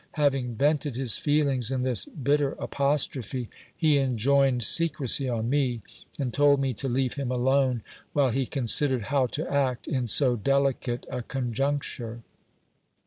Having vented his feelings in this bitter apostrophe, he enjoined secresy on me, and told me to leave him alone, while he considered how to act in so delicate a conjuncture.